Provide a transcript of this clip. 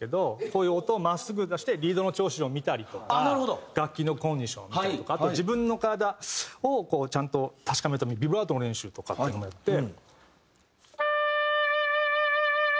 こういう音を真っすぐ出してリードの調子を見たりとか楽器のコンディションを見たりとかあと自分の体をちゃんと確かめるためにビブラートの練習とかっていうのもやって。